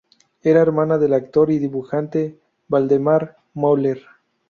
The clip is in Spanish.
Era hermana del actor y dibujante Valdemar Møller.